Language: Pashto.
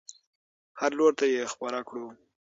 هر لور ته یې خپره کړو.